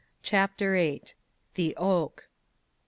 CHAPTER VIII. THE OAK.